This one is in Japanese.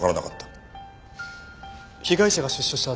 被害者が出所した